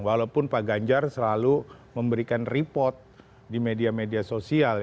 walaupun pak ganjar selalu memberikan report di media media sosial